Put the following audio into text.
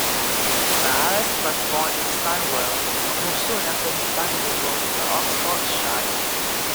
Nares was born in Stanwell, although soon after his family moved to Oxfordshire.